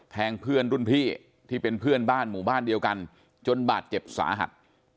เพื่อนรุ่นพี่ที่เป็นเพื่อนบ้านหมู่บ้านเดียวกันจนบาดเจ็บสาหัส